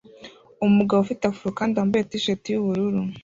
Umugabo ufite afro kandi wambaye t-shati yubururu